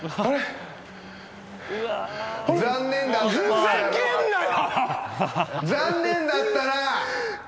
ふざけんなよ！